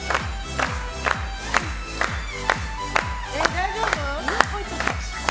大丈夫？